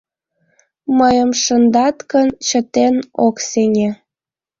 Мыйым шындат гын, чытен ок сеҥе.